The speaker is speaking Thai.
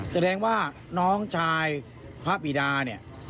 แสดงว่าน้องชายพระบิดาเนี่ย